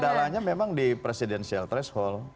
dan ya kendalanya memang di presidensial threshold